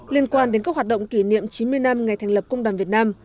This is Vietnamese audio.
liên quan đến các hoạt động kỷ niệm chín mươi năm ngày thành lập công đoàn việt nam